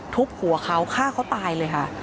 ทุบหัวเขาฆ่าเขาตายเลยค่ะ